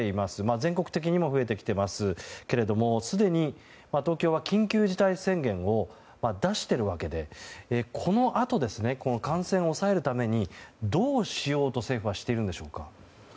全国的にも増えてきていますけれどもすでに東京は緊急事態宣言を出しているわけでこのあと、感染を抑えるためにどうしようと政府はしているんでしょうか？